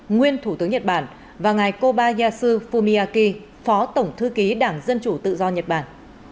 nguyên thủ tướng nhật bản và ngài kobayashisu fumiaki phó tổng thư ký đảng dân chủ tự do nhật bản